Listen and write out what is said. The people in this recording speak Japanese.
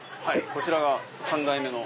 こちらが３代目の。